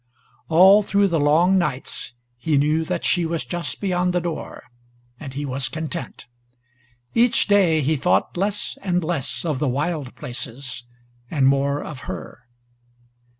All through the long nights he knew that she was just beyond the door, and he was content. Each day he thought less and less of the wild places, and more of her.